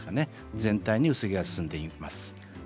全体に薄毛が進んでいきます。